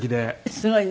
すごいね。